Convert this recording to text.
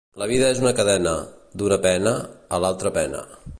La vida és una cadena: d'una pena, a l'altra pena.